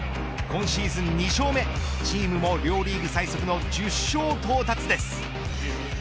今シーズン２勝目チームも両リーグ最速の１０勝到達です。